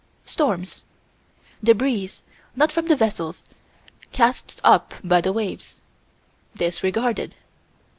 Storms. Débris, not from these vessels, cast up by the waves. Disregarded.